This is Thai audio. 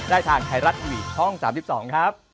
ได้ทางไทรัติวีช่อง๓๒ครับ